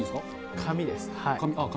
紙です。